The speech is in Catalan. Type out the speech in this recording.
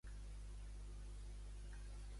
Els presos polítics volen votar?